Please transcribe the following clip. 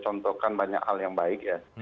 contohkan banyak hal yang baik ya